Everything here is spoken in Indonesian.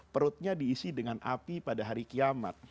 perutnya diisi dengan api pada hari kiamat